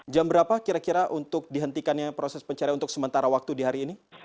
jam berapa kira kira untuk dihentikannya proses pencarian untuk sementara waktu di hari ini